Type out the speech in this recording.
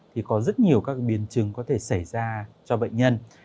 thì có rất nhiều các biến chứng có thể xảy ra cho bệnh nhân